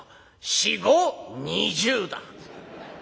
「４×５＝２０だ」。